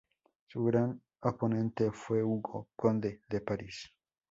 Su gran oponente fue Hugo, conde de París.